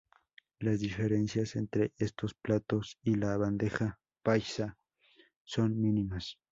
Las diferencias entre estos platos y la bandeja paisa son mínimas.